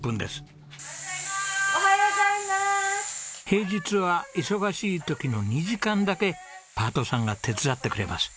平日は忙しい時の２時間だけパートさんが手伝ってくれます。